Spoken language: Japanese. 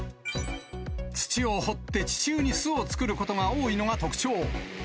土を掘って地中に巣を作ることが多いのが特徴。